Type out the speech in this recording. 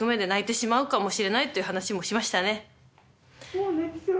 もう泣きそう。